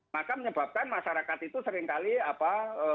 maka menyebabkan masyarakat itu seringkali apa